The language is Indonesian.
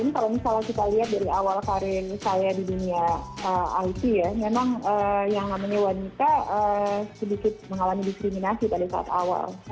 kalau misalnya kita lihat dari awal karir saya di dunia it ya memang yang namanya wanita sedikit mengalami diskriminasi pada saat awal